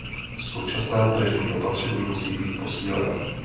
Současná tržní opatření musí být posílena.